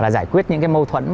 giải quyết những cái mâu thuẫn